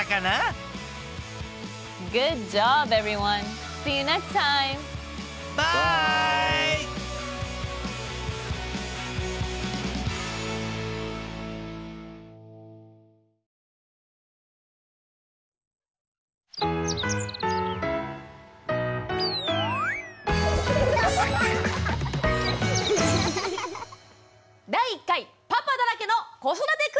「第１回パパだらけの子育てクイズ王決定戦」！